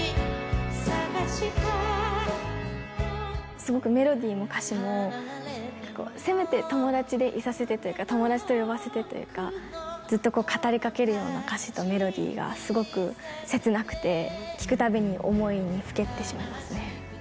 すごくメロディも歌詞も、せめて友達でいさせてというか、友達と呼ばせてというか、ずっと語りかけるような歌詞とメロディが、すごく切なくて、聴くたびに思いにふけってしまいますね。